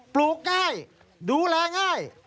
ปลูกง่ายดูแลง่าย